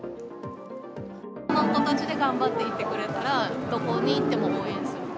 その子たちで頑張っていってくれたら、どこにいても応援する。